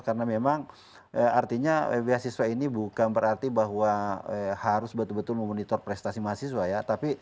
karena memang artinya bebas siswa ini bukan berarti harus benar benar memonitor prestasi mahasiswa ya